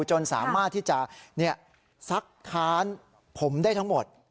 จนสามารถที่จะซักค้านผมได้ทั้งหมด